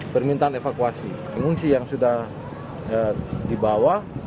permintaan evakuasi pengungsi yang sudah dibawa